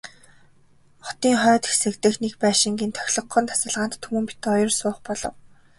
Хотын хойд хэсэг дэх нэг байшингийн тохилогхон тасалгаанд Түмэн бид хоёр суух болов.